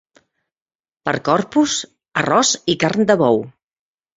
Per Corpus, arròs i carn de bou.